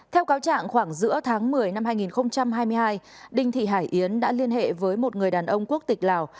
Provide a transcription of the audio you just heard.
theo cáo trạng khoảng giữa tháng một mươi năm hai nghìn hai mươi hai đinh thị hải yến đã liên hệ với một người đàn ông quốc tịch lào